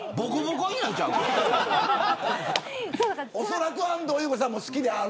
おそらく安藤優子さんも好きであろう。